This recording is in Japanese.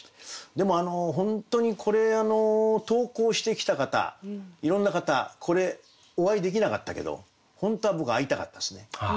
でも本当にこれ投稿してきた方いろんな方これお会いできなかったけど本当は僕会いたかったですね。